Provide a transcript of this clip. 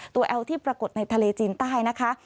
แอลที่ปรากฏในทะเลจีนใต้นะคะ